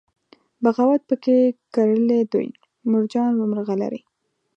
بغاوت پکښې کرلي دُر، مرجان و مرغلرې